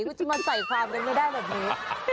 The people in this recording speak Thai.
คุณจะมาใส่ความกันไม่ได้แบบนี้